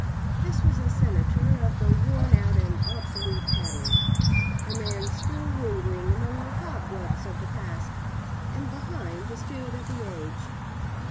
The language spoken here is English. This was a Senator of the worn out and obsolete pattern; a man still lingering among the cobwebs of the past, and behind the spirit of the age.